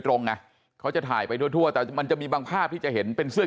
ตรงไงเขาจะถ่ายไปทั่วทั่วแต่มันจะมีบางภาพที่จะเห็นเป็นเสื้อ